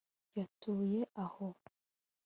yatuye aho